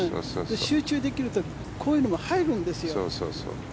集中できるとこういうのも入るんですよ。